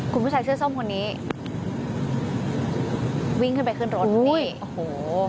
คุณผู้ชายเสื้อส้มคนนี้วิ่งขึ้นไปขึ้นรถนี่โอ้โห